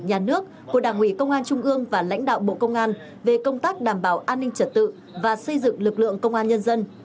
nhà nước của đảng ủy công an trung ương và lãnh đạo bộ công an về công tác đảm bảo an ninh trật tự và xây dựng lực lượng công an nhân dân